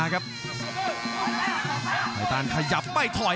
รับทราบบรรดาศักดิ์